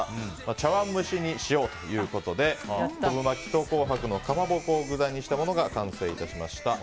茶わん蒸しにしようということで昆布巻きと紅白のかまぼこを具材にしたものが完成致しました。